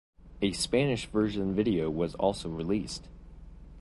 A Spanish version video was also released.